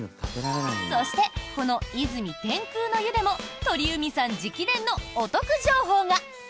そして、この泉天空の湯でも鳥海さん直伝のお得情報が！